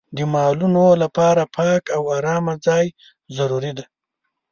د مالونو لپاره پاک او ارامه ځای ضروري دی.